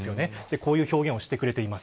こういう表現をしてくれています。